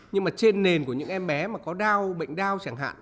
nhưng mà trên nền của những em bé mà có đau bệnh đau chẳng hạn